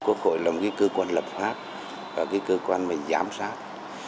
quốc hội là một cơ quan lập pháp và cơ quan giám sát